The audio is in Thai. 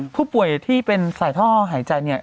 ผู้ป่วยที่เป็นสายท่อหายใจเนี่ย